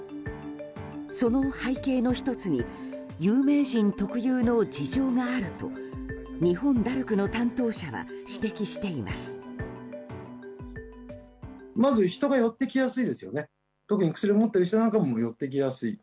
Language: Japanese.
その背景の１つに有名人特有の事情があると日本ダルクの担当者は指摘しています。